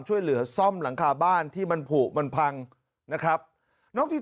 ช่วยเหลือซ่อมหลังคาบ้านที่มันผูกมันพังนะครับน้องที